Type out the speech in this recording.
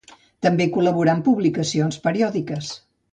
També col·laborà en publicacions periòdiques.